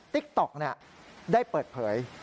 ติ๊กต๊อกเนี่ยได้เปิดเผย